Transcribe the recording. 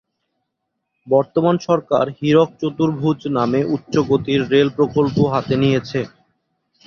বর্তমান সরকার হীরক চতুর্ভুজ নামে উচ্চগতির রেল প্রকল্প হাতে নিয়েছে।